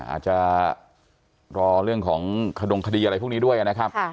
อาจจะรอเรื่องของขดงคดีอะไรพวกนี้ด้วยนะครับ